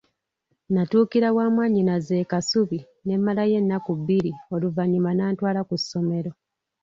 Natuukira wa mwannyinaze e Kasubi ne mmalayo ennaku bbiri oluvannyuma n’antwala ku ssomero.